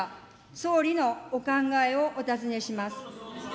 総理のお考えをお尋ねします。